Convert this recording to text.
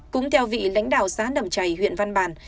cũng theo vị lãnh đạo xã nậm chày huyện văn bản